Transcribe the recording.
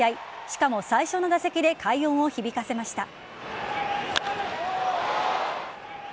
しかも、最初の打席で快音を響かせました。